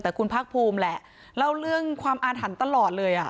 แต่คุณภาคภูมิแหละเล่าเรื่องความอาถรรพ์ตลอดเลยอ่ะ